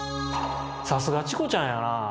さすがチコちゃんやなあ。